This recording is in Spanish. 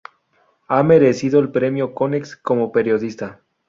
Ha merecido el premio Konex como periodista.